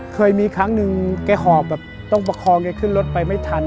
เคยมีครั้งหนึ่งแกหอบแบบต้องประคองแกขึ้นรถไปไม่ทัน